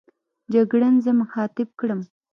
جګړن زه مخاطب کړم.